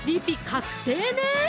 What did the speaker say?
確定ね！